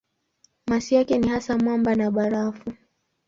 Masi yake ni hasa mwamba na barafu.